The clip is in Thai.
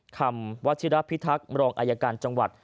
คำวัฒิรัติพิทักษ์รองรยากรจังหวัด